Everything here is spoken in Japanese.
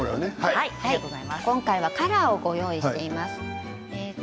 今回はカラーをご用意しています。